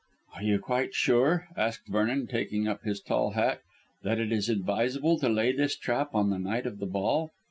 "Are you quite sure," asked Vernon, taking up his tall hat, "that it is advisable to lay this trap on the night of the ball?"